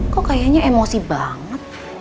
kok kayaknya emosi banget